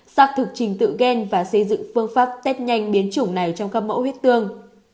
xác thực trình tự gen và xây dựng phương pháp test nhanh biến chủng này trong các mẫu huyết tương